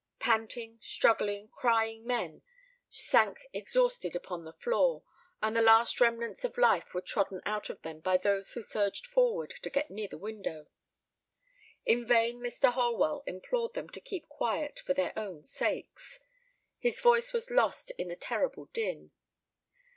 Panting, struggling, crying, men sank exhausted upon the floor, and the last remnants of life were trodden out of them by those who surged forward to get near the window. In vain Mr. Holwell implored them to keep quiet for their own sakes. His voice was lost in the terrible din.